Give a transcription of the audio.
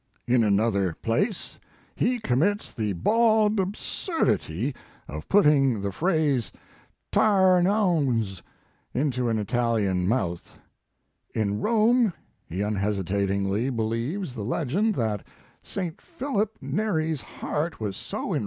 "In another place he commits the bald absurdity of putting the phrase tare an ouns into an Italian mouth. In Rome he unhesitatingly believes the legend that St. Philip Neri s heart was so in . His Lije and Work.